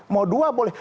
mau dua boleh